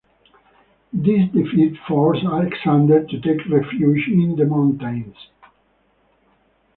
This defeat forced Alexander to take refuge in the mountains.